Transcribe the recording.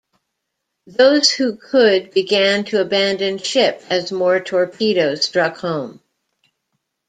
Those who could began to abandon ship as more torpedoes struck home.